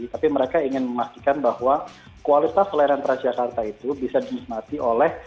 tapi mereka ingin memastikan bahwa kualitas layanan transjakarta itu bisa dinikmati oleh